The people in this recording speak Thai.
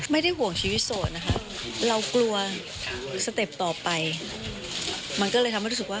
ไม่ได้ห่วงชีวิตโสดนะคะเรากลัวสเต็ปต่อไปมันก็เลยทำให้รู้สึกว่า